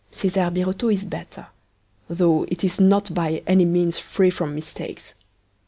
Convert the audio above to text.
Cesar Birotteau is better, though it is not by any means free from mistakes.